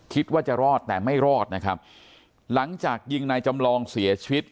คิดว่าจะรอดแต่ไม่รอดนะครับหลังจากยิงนายจำลองเสียชีวิต